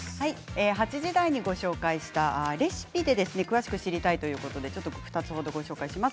８時台にご紹介したレシピで詳しく知りたいということで２つ程ご紹介します。